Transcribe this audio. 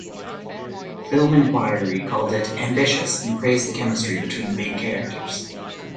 Film Inquiry called it "ambitious" and praised the chemistry between the main characters.